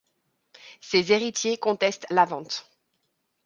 Ses héritiers contestent la vente.